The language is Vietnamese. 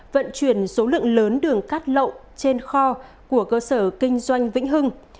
vận chuyển số lượng lớn đường cát lậu trên kho của cơ sở kinh doanh vĩnh hưng